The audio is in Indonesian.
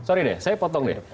sorry deh saya potong deh